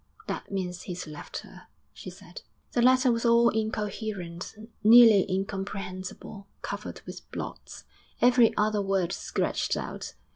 'That means he's left her,' she said. The letter was all incoherent, nearly incomprehensible, covered with blots, every other word scratched out.